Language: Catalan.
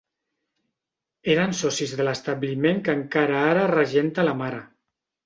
Eren socis de l'establiment que encara ara regenta la mare.